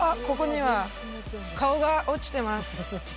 ここには顔が落ちてます